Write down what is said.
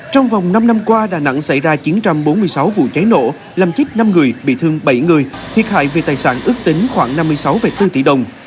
trong vòng năm năm qua đà nẵng xảy ra chín trăm bốn mươi sáu vụ cháy nổ làm chết năm người bị thương bảy người thiệt hại về tài sản ước tính khoảng năm mươi sáu bốn tỷ đồng